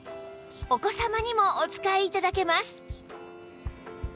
お子様にもお使い頂けます